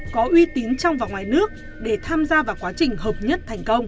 có uy tín trong và ngoài nước để tham gia vào quá trình hợp nhất